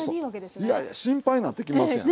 いやいや心配になってきますやん。